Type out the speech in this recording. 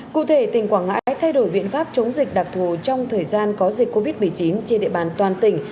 cụ thể tỉnh quảng ngãi thay đổi biện pháp chống dịch đặc thù trong thời gian có dịch covid một mươi chín trên địa bàn toàn tỉnh